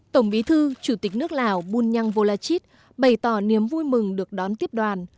tổng bí thư chủ tịch nước lào bunyang volachit bày tỏ niềm vui mừng được đón tiếp đoàn